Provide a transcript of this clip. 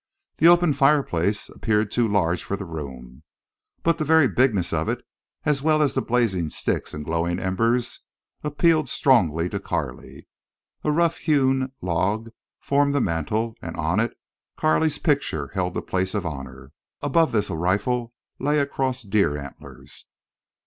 The open fireplace appeared too large for the room, but the very bigness of it, as well as the blazing sticks and glowing embers, appealed strongly to Carley. A rough hewn log formed the mantel, and on it Carley's picture held the place of honor. Above this a rifle lay across deer antlers.